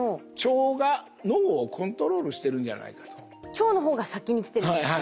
腸の方が先に来てるんですね。